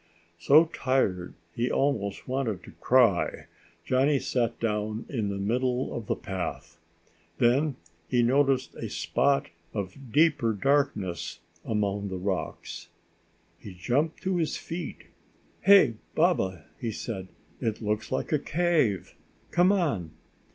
So tired he almost wanted to cry, Johnny sat down in the middle of the path. Then he noticed a spot of deeper darkness among the rocks. He jumped to his feet. "Hey, Baba," he said, "it looks like a cave! Come on!"